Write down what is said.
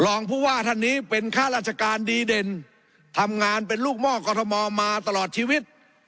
รองผู้ว่าท่านนี้เป็นข้าราชการดีเด่นทำงานเป็นลูกหม้อกรทมมาตลอดชีวิต